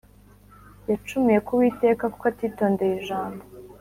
yacumuye ku Uwiteka kuko atitondeye ijambo